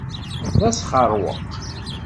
D asxeṛweq.